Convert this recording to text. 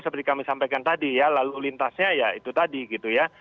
seperti kami sampaikan tadi ya lalu lintasnya ya itu tadi gitu ya